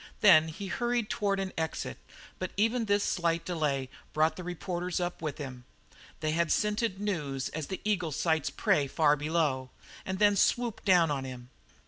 Then he hurried on toward an exit, but even this slight delay brought the reporters up with him. They had scented news as the eagle sights prey far below, and then swooped down on him.